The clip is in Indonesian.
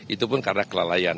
itu pun karena kelelayan